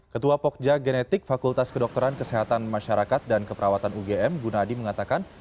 ketua pokja genetik fakultas kedokteran kesehatan masyarakat dan keperawatan ugm gunadi mengatakan